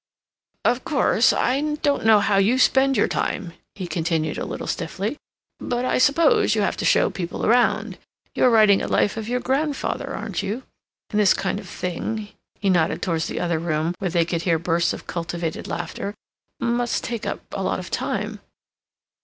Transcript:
"Of course, I don't know how you spend your time," he continued, a little stiffly, "but I suppose you have to show people round. You are writing a life of your grandfather, aren't you? And this kind of thing"—he nodded towards the other room, where they could hear bursts of cultivated laughter—"must take up a lot of time."